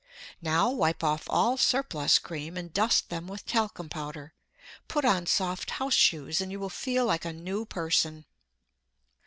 Now wipe off all surplus cream and dust them with talcum powder. Put on soft house shoes and you will feel like a new person.